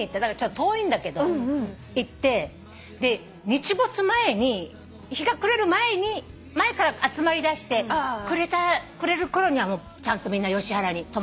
遠いんだけど行ってで日没前に日が暮れる前から集まりだして暮れる頃にはもうちゃんとみんなヨシ原に止まるのよ。